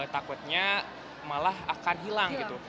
takutnya malah akan hilang gitu